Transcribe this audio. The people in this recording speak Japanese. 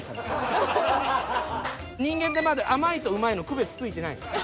人間ってまだ甘いとうまいの区別ついてないねん。